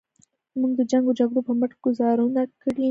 موږ د جنګ و جګړو په مټ ګوزارونه کړي.